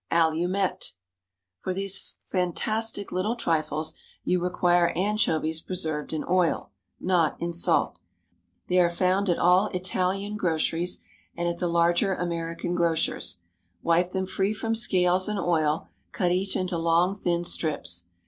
Allumettes. For these fantastic little trifles you require anchovies preserved in oil not in salt; they are found at all Italian groceries and at the larger American grocers'. Wipe them free from scales and oil; cut each into long, thin strips.